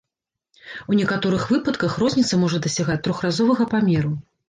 У некаторых выпадках розніца можа дасягаць трохразовага памеру.